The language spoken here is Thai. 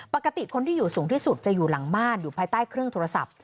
ปกติคนที่อยู่สูงที่สุดจะอยู่หลังบ้านอยู่ภายใต้เครื่องโทรศัพท์